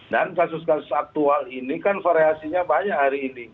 dan kasus kasus aktual ini kan variasinya banyak hari ini